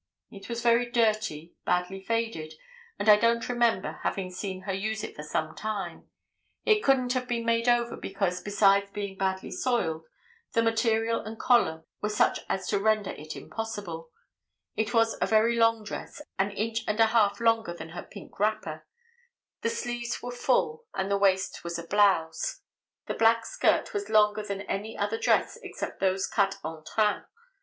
It was very dirty, badly faded, and I don't remember having seen her use it for some time; it couldn't have been made over because, besides being badly soiled, the material and collar were such as to render it impossible; it was a very long dress, an inch and a half longer than her pink wrapper; the sleeves were full and the waist was a blouse; the back skirt was longer than any other dress except those cut en train.